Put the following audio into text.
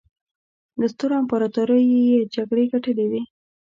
له سترو امپراطوریو یې جګړې ګټلې وې.